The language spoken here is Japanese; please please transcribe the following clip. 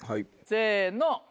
せの。